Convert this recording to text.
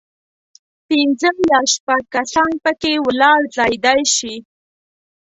پنځه یا شپږ کسان په کې ولاړ ځایېدای شي.